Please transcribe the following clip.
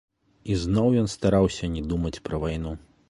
І зноў ён стараўся не думаць пра вайну.